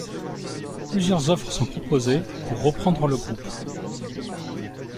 Plusieurs offres sont proposées pour reprendre le groupe.